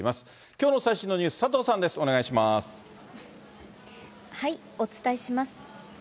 きょうの最新のニュース、佐藤さお伝えします。